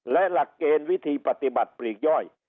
และหลักเกณฑ์วิธีปฏิบัติปลีกย่อย